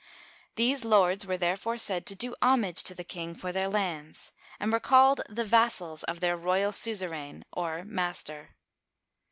These lords were therefore said to do homage to the king for their lands, and were called the vassals of their royal suzerain, or master.